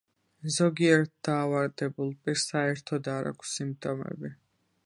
ზოგიერთ დაავადებულ პირს საერთოდ არ აქვს სიმპტომები.